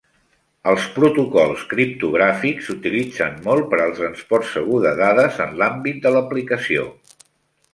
Els protocols criptogràfics s'utilitzen molt per al transport segur de dades en l'àmbit de l'aplicació.